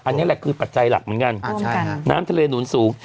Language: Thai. อันนี้แหละคือปัจจัยหลักเหมือนกันน้ำทะเลหนุนสูง